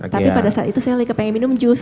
tapi pada saat itu saya lagi kepengen minum jus